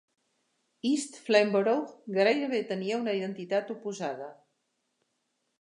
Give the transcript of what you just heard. East Flamborough gairebé tenia una identitat oposada.